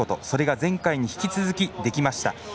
それが前回に引き続きできました。